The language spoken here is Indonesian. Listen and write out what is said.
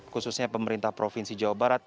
khususnya pemerintah provinsi jawa barat